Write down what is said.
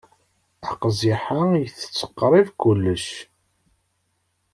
Aqziḥ-a itett qrib kullec.